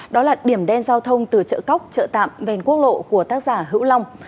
đó là điểm đen giao thông từ chợ cóc chợ tạm ven quốc lộ của tác giả hữu long